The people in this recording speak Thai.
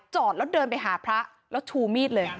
จอดแล้วเดินไปหาพระแล้วชูมีดเลย